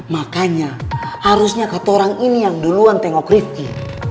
makanya harusnya kata orang ini yang duluan tengok rifki